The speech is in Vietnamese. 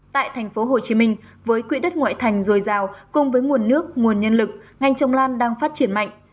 tại thành phố hồ chí minh với quỹ đất ngoại thành dồi dào cùng với nguồn nước nguồn nhân lực ngành trồng lan đang phát triển mạnh